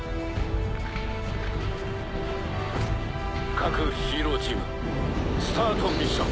各ヒーローチームスタートミッション。